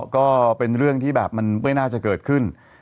ก็เป็นเรื่องที่แบบมันไม่น่าจะเกิดขึ้น